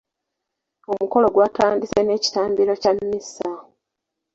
Omukolo gwatandise n'ekitambiro kya mmisa .